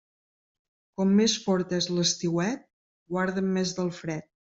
Com més fort és l'estiuet, guarda't més del fred.